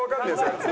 あいつ。